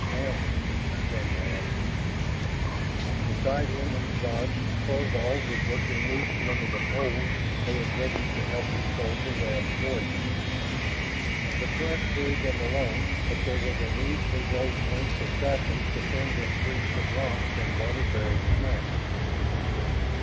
"Hound?" Shann asked. Beside him in the dark Thorvald was working loose one of the poles they had readied to help control the raft's voyaging. The current carried them along, but there was a need for those lengths of sapling to fend them free from rocks and water buried snags.